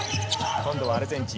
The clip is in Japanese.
今度はアルゼンチン。